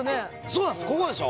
そうなんです。